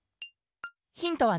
ヒントはね